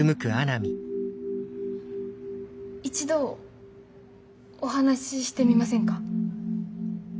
一度お話ししてみませんか。